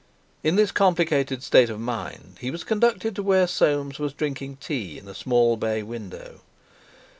In this complicated state of mind he was conducted to where Soames was drinking tea in a small bay window.